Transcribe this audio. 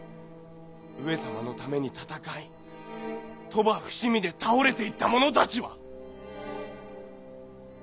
上様のために戦い鳥羽伏見で倒れていった者たちは！？